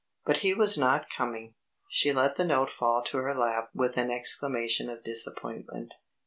But he was not coming. She let the note fall to her lap with an exclamation of disappointment.